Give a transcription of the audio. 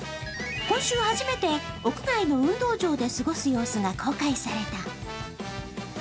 今週初めて、屋外の運動場で過ごす様子が公開された。